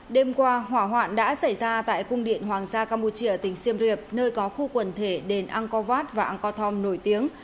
đêm qua hỏa hoạn đã xảy ra tại cung điện hoàng gia campuchia tỉnh siem reap nơi có khu quần thể đền angkor wat và angkor thom nổi tiếng